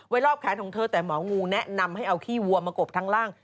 รอบแขนของเธอแต่หมองูแนะนำให้เอาขี้วัวมากบทั้งล่าง